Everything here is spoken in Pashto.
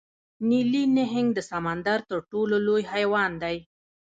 نیلي نهنګ د سمندر تر ټولو لوی حیوان دی